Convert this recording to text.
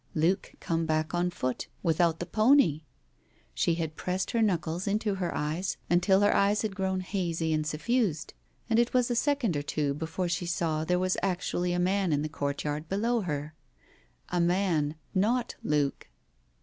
Luke come back on foot, without the pony ! She had pressed her knuckles into her eyes until her eyes had grown hazy and suffused, and it was a second or two before she saw there was actually a man in the courtyard below her. A man, not Luke.